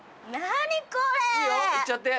いいよ行っちゃって。